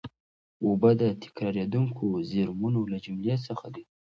اوبه د تکرارېدونکو زېرمونو له جملې څخه دي.